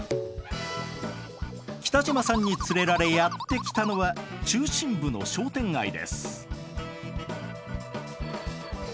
北島さんに連れられやって来たのは中心部の商店街です。